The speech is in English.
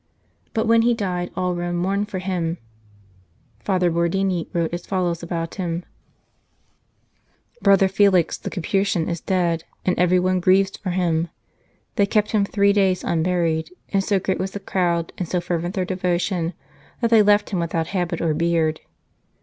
But when he died all Rome mourned for him ; Father Bordini wrote as follows about him :" Brother Felix the Capuchin is dead, and everyone grieves for him. They kept him three days unburied, and so great was the crowd, and so fervent their devotion, that they left him without habit or beard.